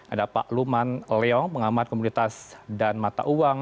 ada pak luman leong pengamat komunitas dan mata uang